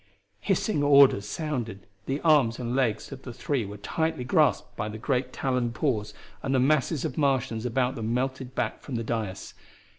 Hissing orders sounded, the arms and legs of the three were tightly grasped by great taloned paws, and the masses of Martians about them melted back from the dais.